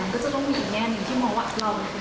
ก็จะต้องมีอีกแง่หนึ่งที่หมอวะเราเหรอคะ